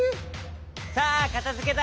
さあかたづけだ！